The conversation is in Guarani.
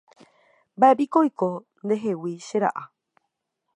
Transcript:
Mba'éiko oiko ndehegui che ra'a.